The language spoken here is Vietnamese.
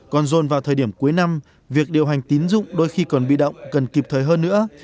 còn dồn vào thời điểm cuối năm việc điều hành tín dụng đôi khi còn bị động cần kịp thời hơn nữa